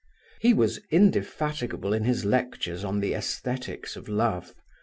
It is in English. He was indefatigable in his lectures on the aesthetics of love.